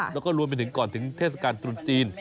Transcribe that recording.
แล้วก็รวมไปถึงก่อนถึงเทศกาลตรุษจีน